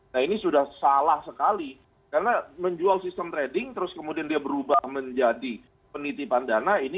nah ini sudah salah sekali karena menjual sistem trading terus kemudian dia berubah menjadi penitipan dana ini